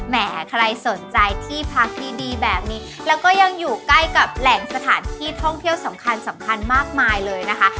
ใครสนใจที่พักดีดีแบบนี้แล้วก็ยังอยู่ใกล้กับแหล่งสถานที่ท่องเที่ยวสำคัญสำคัญมากมายเลยนะคะ